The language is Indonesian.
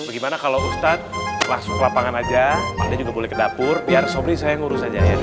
bagaimana kalau ustadz langsung ke lapangan aja anda juga boleh ke dapur biar sobri saya ngurus aja ya